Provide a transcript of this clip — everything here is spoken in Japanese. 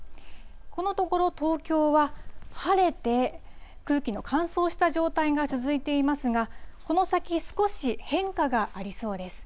このところ、東京は晴れて空気の乾燥した状態が続いていますが、この先、少し変化がありそうです。